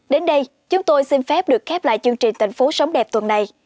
đến đây chúng tôi xin phép được khép lại chương trình tình phố sống đẹp tuần này